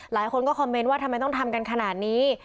หลายคนก็คอมเมนต์ว่าทำไมต้องทำกันขนาดนี้